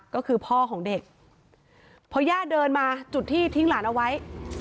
ก็คือพ่อของเด็กพอย่าเดินมาจุดที่ทิ้งหลานเอาไว้